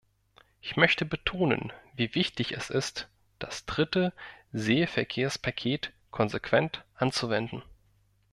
Ich möchte betonen, wie wichtig es ist, das dritte Seeverkehrspaket konsequent anzuwenden.